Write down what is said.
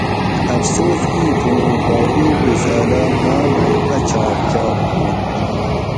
افسوس اِیں تھُو اُوں گاؤری رسالہ ماۤ مئ اۤ چھاٹ چاپ ہوانت